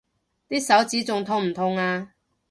啲手指仲痛唔痛啊？